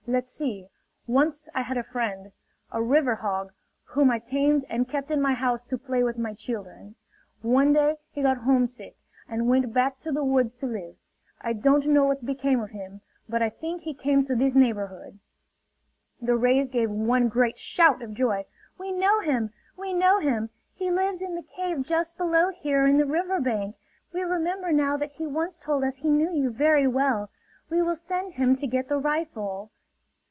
"Let's see.... Once I had a friend, a river hog, whom I tamed and kept in my house to play with my children. One day he got homesick and went back to the woods to live. I don't know what became of him ... but I think he came to this neighborhood!" The rays gave one great shout of joy: "We know him! We know him! He lives in the cave just below here in the river bank. We remember now that he once told us he knew you very well. We will send him to get the rifle."